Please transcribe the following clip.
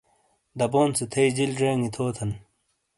دَبون سے تھئیی جِیل جیگی تھوتھن!